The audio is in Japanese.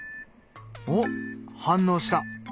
おっ反応した。